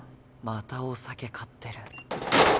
またお酒買ってる。